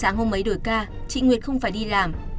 sáng hôm mấy đổi ca chị nguyệt không phải đi làm